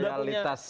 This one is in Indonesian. sudah punya loyalitas